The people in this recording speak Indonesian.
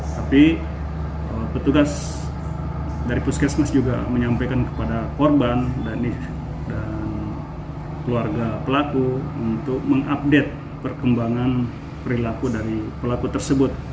tapi petugas dari puskesmas juga menyampaikan kepada korban dan keluarga pelaku untuk mengupdate perkembangan perilaku dari pelaku tersebut